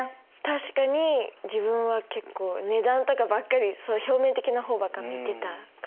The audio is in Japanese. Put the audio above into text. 確かに自分は結構値段とかばっかり表面的な方ばっか見てたかもしれない。